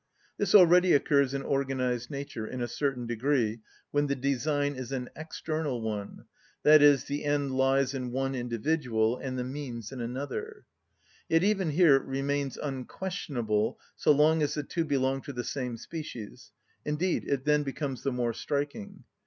This already occurs in organised nature, in a certain degree, when the design is an external one, i.e., the end lies in one individual and the means in another. Yet even here it remains unquestionable so long as the two belong to the same species, indeed it then becomes the more striking.